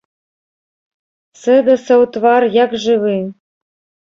Сэдасаў твар як жывы.